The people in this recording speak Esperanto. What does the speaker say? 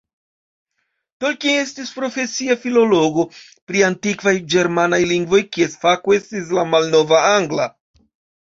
Tolkien estis profesia filologo pri antikvaj ĝermanaj lingvoj, kies fako estis la malnova angla.